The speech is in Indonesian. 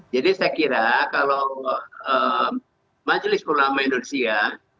jadi saya kira kalau majelis ulama indonesia